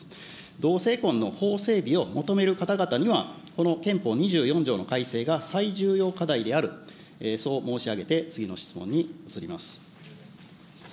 同性婚の法整備を求める方々には、この憲法２４条の改正が最重要課題である、そう申し上げて、次の質問に移ります。